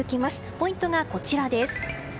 ポイントがこちらです。